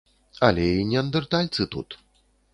Але і неандэртальцы тут.